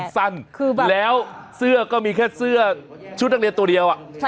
สั้นแล้วเสื้อก็มีแค่เสื้อชุดนักเรียนตัวเดียว